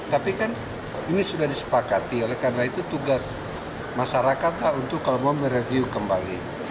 tapi kan ini sudah disepakati oleh karena itu tugas masyarakat lah untuk kalau mau mereview kembali